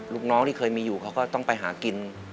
ลูกน้องที่เคยมีอยู่เขาก็ต้องไปหากิน